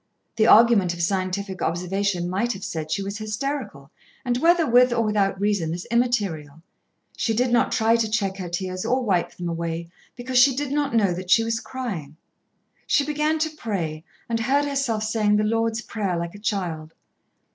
The argument of scientific observation might have said she was hysterical, and whether with or without reason is immaterial. She did not try to check her tears or wipe them away, because she did not know that she was crying. She began to pray, and heard herself saying the Lord's Prayer like a child.